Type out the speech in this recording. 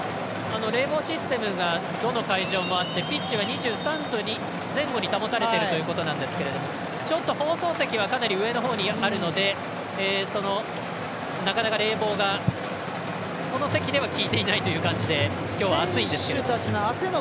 冷房システムがどの会場もあってピッチが２３度前後に保たれているということなんですけど放送席はかなり上のほうにあるのでなかなか冷房が、この席では効いていないという感じで今日は暑いんですけど。